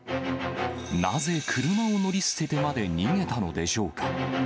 なぜ車を乗り捨ててまで逃げたのでしょうか。